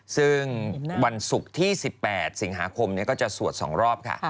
ซึ่งวันศุกร์ที่๑๘สิงหาคมก็จะสวด๒รอบค่ะ